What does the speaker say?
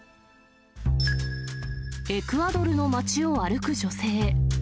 エクアドルの町を歩く女性。